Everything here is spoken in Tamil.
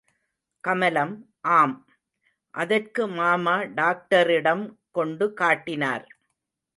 கமலம் ஆம், அதற்கு மாமா டாக்டரிடம் கொண்டு காட்டினார்.